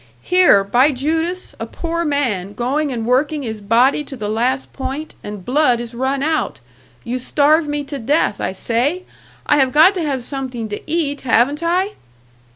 Here, by Judas, a poor man, going and working his body to the last point, and blood is run out! You starve me to death, I say! I have got to have something to eat, haven't I?"